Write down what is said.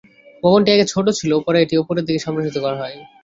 ভবনটি আগে ছোট ছিল, পরে এটি ওপরের দিকে সম্প্রসারণ করা হয়।